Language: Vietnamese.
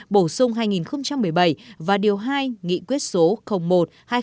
bổ sung hai nghìn một mươi bảy và điều hai nghị quyết số một hai nghìn một mươi